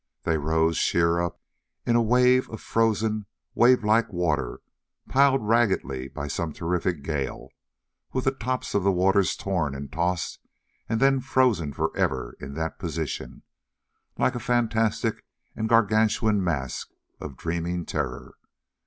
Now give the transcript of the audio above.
They rose sheer up in wave upon frozen wave like water piled ragged by some terrific gale, with the tops of the waters torn and tossed and then frozen forever in that position, like a fantastic and gargantuan mask of dreaming terror.